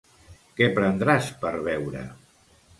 Què prendràs per beure?